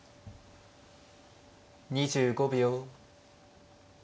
２５秒。